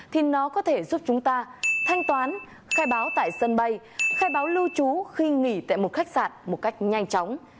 thì nó có thể giúp chúng ta thanh toán khai báo tại sân bay khai báo lưu trú khi nghỉ tại một khách sạn một cách nhanh chóng